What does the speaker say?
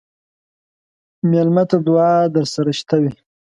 مېلمه ته دعا درسره شته وي.